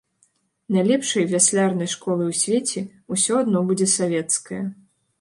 Найлепшай вяслярнай школай у свеце ўсё адно будзе савецкая.